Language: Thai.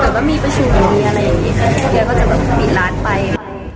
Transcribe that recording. จะวิ่งหมายถึงวิ่งที่มีรัฐของชำไม่ร้วมมาร์ดฌราศน์วิทยาบาล